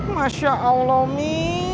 masya allah mi